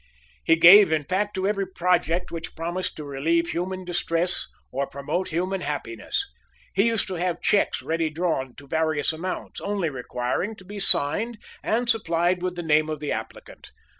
He gave, in fact, to every project which promised to relieve human distress, or promote human happiness. He used to have checks ready drawn to various amounts, only requiring to be signed and supplied with the name of the applicant.